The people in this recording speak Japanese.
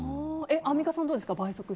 アンミカさん、どうですか。